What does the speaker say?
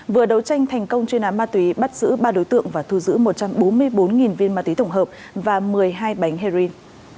vừa đấu tranh thành công chuyên án ma túy bắt giữ ba đối tượng và thu giữ một trăm bốn mươi bốn viên ma túy tổng hợp và một mươi hai bánh heroin